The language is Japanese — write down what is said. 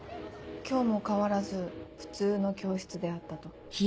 今日も変わらず普通の教室であったと。